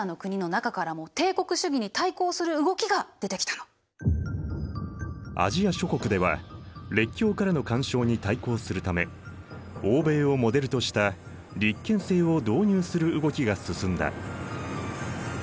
そんなふうにならないためにもアジア諸国では列強からの干渉に対抗するため欧米をモデルとした立憲制を導入する動きが進んだ。